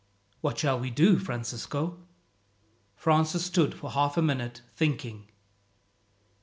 "What shall we do, Francisco?" Francis stood for half a minute thinking.